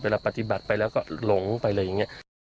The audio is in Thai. เวลาปฏิบัติไปแล้วก็หลงไปอะไรอย่างเงี้ย